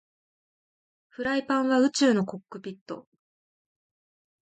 フライパンは宇宙のコックピット